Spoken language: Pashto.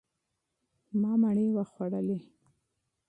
ما مڼې وخوړلې.